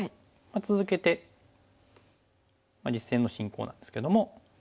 続けて実戦の進行なんですけども。